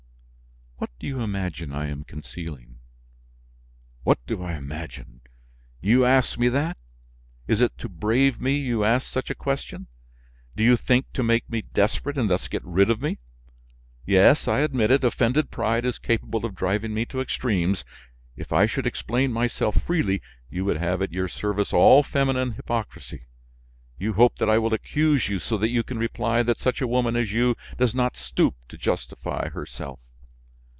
"What do you imagine I am concealing?" What do I imagine? You ask me that! Is it to brave me you ask such a question? Do you think to make me desperate and thus get rid of me? Yes, I admit it, offended pride is capable of driving me to extremes. If I should explain myself freely, you would have at your service all feminine hypocrisy; you hope that I will accuse you, so that you can reply that such a woman as you does not stoop to justify herself.